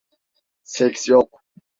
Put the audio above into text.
Seks yok.